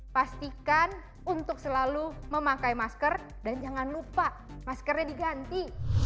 pastikan untuk selalu memakai masker dan jangan lupa maskernya diganti